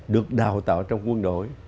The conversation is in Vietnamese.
được đào tạo trong quân đội